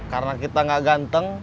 karena kita gak ganteng